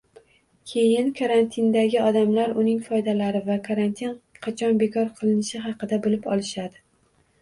Keyin karantindagi odamlar uning foydalari va karantin qachon bekor qilinishi haqida bilib olishadi